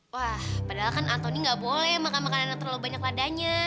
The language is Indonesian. wah padahal kan antony gak boleh makan makan yang terlalu banyak ladanya